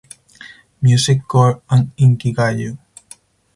Music Core and Inkigayo.